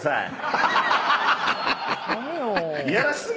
何よ。